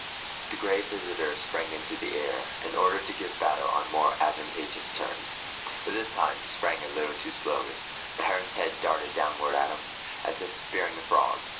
The Gray Visitor sprang into the air, in order to give battle on more advantageous terms. But this time he sprang a little too slowly. The heron's head darted downward at him, as if spearing a frog.